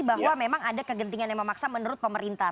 bahwa memang ada kegentingan yang memaksa menurut pemerintah